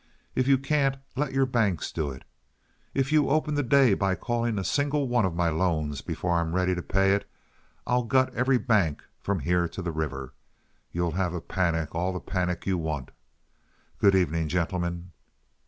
If you can't, let your banks do it. If you open the day by calling a single one of my loans before I am ready to pay it, I'll gut every bank from here to the river. You'll have panic, all the panic you want. Good evening, gentlemen."